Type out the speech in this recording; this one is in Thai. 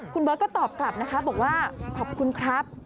คุณเบิร์ตก็ตอบกลับนะคะบอกว่าขอบคุณครับ